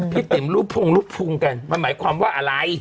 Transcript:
พี่ติ๋มรูปภูมิรูปภูมิกันมันหมายความว่าอะไร